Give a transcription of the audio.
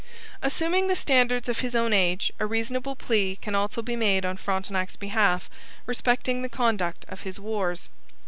Assuming the standards of his own age, a reasonable plea can also be made on Frontenac's behalf respecting the conduct of his wars.